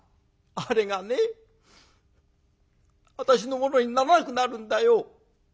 「あれがね私のものにならなくなるんだよ！」。